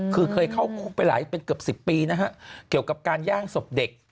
คือเคยเข้าคุกไปหลายเป็นเกือบ๑๐ปีนะฮะเกี่ยวกับการย่างศพเด็ก